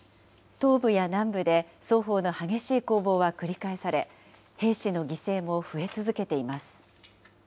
東部や南部で双方の激しい攻防は繰り返され、兵士の犠牲も増え続けています。